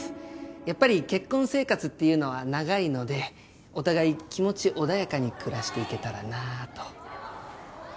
やっぱり結婚生活っていうのは長いのでお互い気持ち穏やかに暮らしていけたらなぁと。